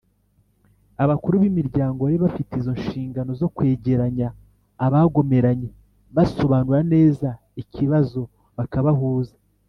abakuru b’imiryango bari bafite izo nshingano zo kwegeranya abagomeranye, basobanura neza ikibazo, bakabahuza